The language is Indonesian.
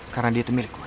karena dia tuh milik gue